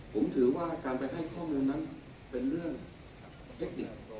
ผมถือว่าการไปให้ข้อมูลนั้นเป็นเรื่องเทคนิค